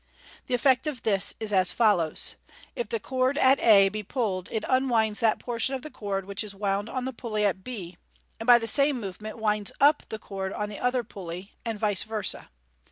The effect of this is as follows : If the cord at a be pulled, it unwinds that portion of the cord which is wound on the pulley at b, and by the same movement winds up Fig. 161. Fig. 162. 33a MODERN MA GIC. the cord on the other pulley; and vice versd.